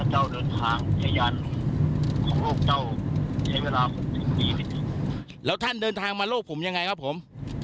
หรือเวลาแล้วท่านเดินทางมาโลกผมยังไงครับผม